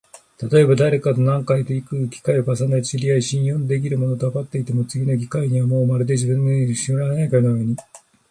たとえばだれかと何回となく機会を重ねて知り合い、信用のできる者だとわかっても、次の機会にはもうまるで全然知らないかのように、